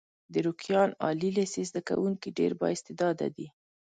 د روکيان عالي لیسې زده کوونکي ډېر با استعداده دي.